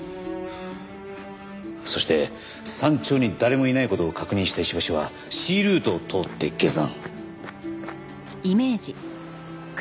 そして山頂に誰もいない事を確認した石橋はＣルートを通って下山。